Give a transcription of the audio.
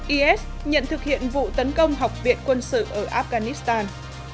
is nhận thực hiện vụ tấn công học viện quân sự ở afghanistan